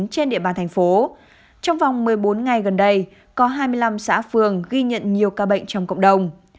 tại ba thành phố trong vòng một mươi bốn ngày gần đây có hai mươi năm xã phương ghi nhận nhiều ca bệnh trong cộng đồng